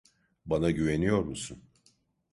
Bana güveniyor musun?